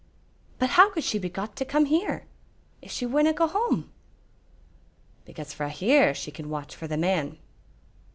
"But how could she be got to come here, if she winna go home?" "Because frae here she can watch for the man."